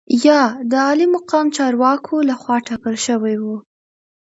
یا د عالي مقام چارواکو لخوا ټاکل شوي وو.